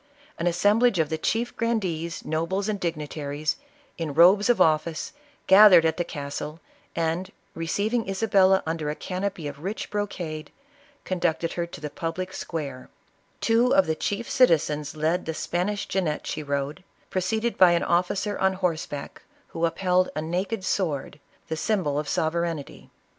An assemblage of the chief grandees, nobles and dignitaries, in robes of office, gathered at the castle, and, receiving Isabella under a canopy of rich brocade, conducted her to the public square ; two of the chief citizens led the Span ish jennet she rode, preceded by an officer on horse back who upheld a naked sword, the symbol of sov ereignty.